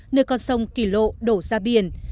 nơi con sông kỳ lộ đổ ra biển